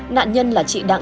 nạn nhân là chị đặng nguyên